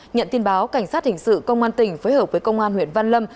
nhận tin báo cảnh sát hình sự công an tỉnh phối hợp với công an huyện văn lâm